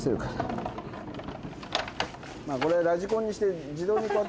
これラジコンにして。